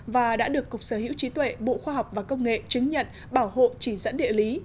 và đã được cục sở hữu trí tuệ bộ khoa học và công nghệ chứng nhận bảo hộ chỉ dẫn địa lý